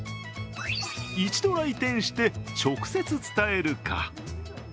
一度来店して、直接伝えるか